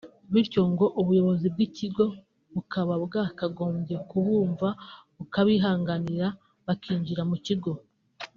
bityo ngo ubuyobozi bw’ikigo bukaba bwakagombye kubumva bukabihanganira bakinjira mu kigo